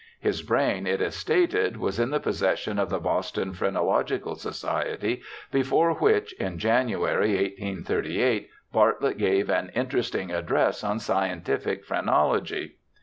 His brain, it is stated, was in the possession of the Boston Phreno logical Society, before which, in January, 1838, Bartlett gave an interesting address on scientific phrenology.